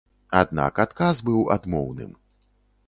Аднак адказ быў адмоўным.